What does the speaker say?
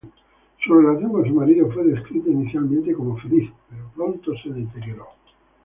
Su relación con su marido fue descrita inicialmente como feliz, pero pronto se deterioró.